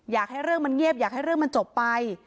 อยากให้เรื่องมันเงียบอยากให้เรื่องมันจบไป